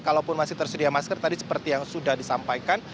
kalaupun masih tersedia masker tadi seperti yang sudah disampaikan